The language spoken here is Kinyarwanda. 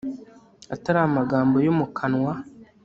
atari amagambo yo mu kanwa